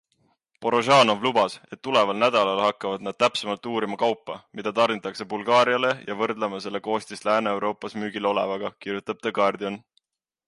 Porozhanov lubas, et tuleval nädalal hakkavad nad täpsemalt uurima kaupa, mida tarnitakse Bulgaariale ja võrdlema selle koostist Lääne-Euroopas müügil olevaga, kirjutab The Guardian.